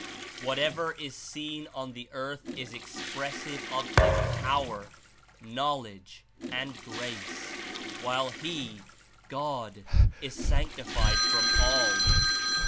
Whatever Is seen on the earth Is expressive of His power, knowledge and grace; while He (God) is sanctified from all.